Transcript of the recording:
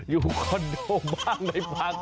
อยู่คอนโดบ้างไหนฟัง